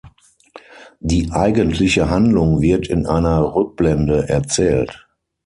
Die eigentliche Handlung wird in einer Rückblende erzählt.